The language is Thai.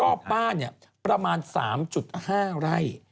รอบบ้านประมาณ๓๕ไร่